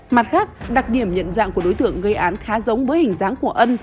mặt khác đặc điểm nhận dạng của đối tượng gây án khá giống với hình dáng của ân